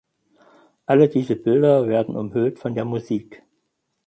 All diese Bilder werden umhüllt von der Musik.